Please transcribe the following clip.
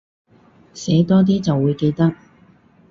寫多啲就會記得